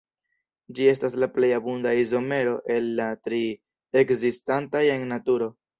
Ĝi estas la plej abunda izomero el la tri ekzistantaj en naturo.